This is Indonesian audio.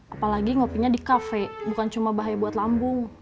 apalagi ngopinya di kafe bukan cuma bahaya buat lambung